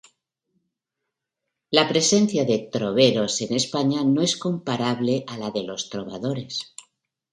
La presencia de troveros en España no es comparable a la de los trovadores.